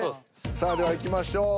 さあではいきましょう。